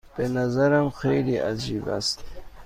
به نظرم خیلی عجیب است.